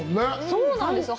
そうなんですよ。